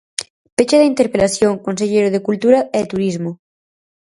Peche da interpelación, conselleiro de Cultura e Turismo.